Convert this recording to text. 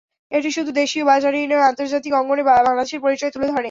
এটি শুধু দেশীয় বাজারেই নয়, আন্তর্জাতিক অঙ্গনে বাংলাদেশের পরিচয় তুলে ধরে।